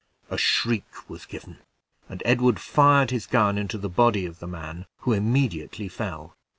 A shriek was given, and Edward fired his gun into the body of the man, who immediately fell.